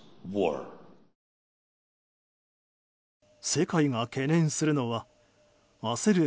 世界が懸念するのは焦る